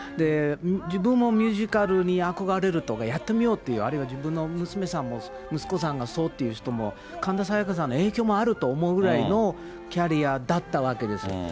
自分もミュージカルに憧れるとか、やってみようという、あるいは自分の娘さんも、息子さんもそうという人が、神田沙也加さんの影響もあると思うぐらいのキャリアだったわけですよ。